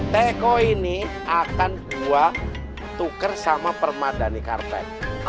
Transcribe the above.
teko ini akan gua tuker sama permadani karpet